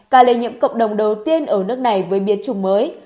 ca lây nhiễm cộng đồng đầu tiên ở nước này với biến chủng mới